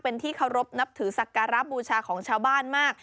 เป็นที่เคารพนับถือศักระบูชาของชาวบ้านมาก